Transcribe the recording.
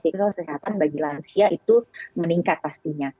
nah karena itu bagi kita kesehatan bagi lansia itu meningkat pastinya